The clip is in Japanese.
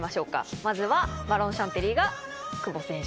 まずはマロンシャンテリーが久保選手。